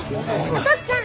お父っつあん！